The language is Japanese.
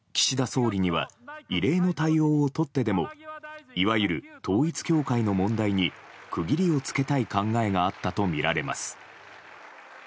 総理には異例の対応をとってでもいわゆる統一教会の問題に区切りをつけたい考えがあったとみられます。